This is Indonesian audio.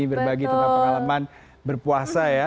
berbagi tentang pengalaman berpuasa ya